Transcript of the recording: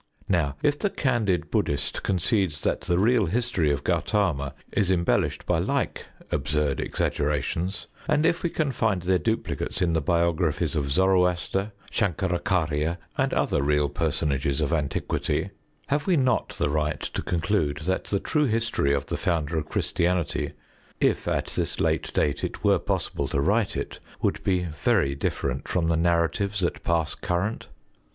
Now, if the candid Bud╠Żd╠Żhist concedes that the real history of Gaut╠Żama is embellished by like absurd exaggerations, and if we can find their duplicates in the biographies of Zoroaster, Shan╠ćkar─üch─ürya and other real personages of antiquity, have we not the right to conclude that the true history of the Founder of Christianity, if at this late date it were possible to write it, would be very different from the narratives that pass current?